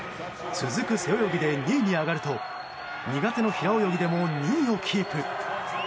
続く背泳ぎで２位に上がると苦手の平泳ぎでも２位をキープ。